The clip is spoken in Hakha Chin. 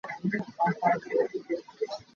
Suimilam pali le cheu a si.